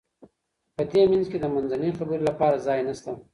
په دې منځ کي د منځنۍ خبري لپاره ځای نسته.